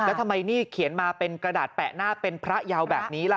แล้วทำไมนี่เขียนมาเป็นกระดาษแปะหน้าเป็นพระยาวแบบนี้ล่ะ